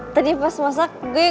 tadi pas masak gue